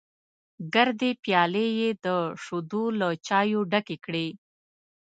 ګردې پيالې یې د شیدو له چایو ډکې کړې.